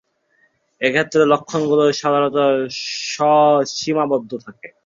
এক্ষেত্রে লক্ষণগুলো সাধারণত স্ব-সীমাবদ্ধ থাকে।